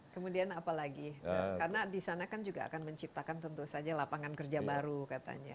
kemudian apalagi karena di sana kan juga akan menciptakan tentu saja lapangan kerja baru katanya